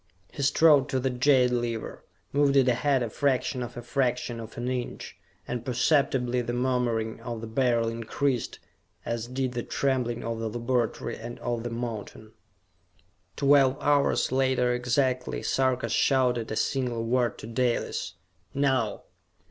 He strode to the jade lever, moved it ahead a fraction of a fraction of an inch, and perceptibly the murmuring of the Beryl increased, as did the trembling of the laboratory and of the mountain. Twelve hours later exactly, Sarka shouted a single word to Dalis. "Now!"